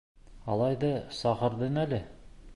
Алай ҙа саҡырҙың әле!